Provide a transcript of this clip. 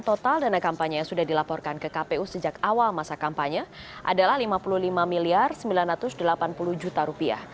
total dana kampanye yang sudah dilaporkan ke kpu sejak awal masa kampanye adalah rp lima puluh lima sembilan ratus delapan puluh